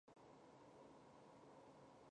砂拉越拥有热带雨林气候。